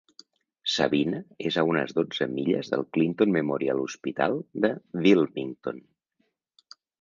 Sabina és a unes dotze milles del Clinton Memorial Hospital de Wilmington.